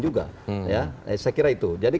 juga ya saya kira itu jadi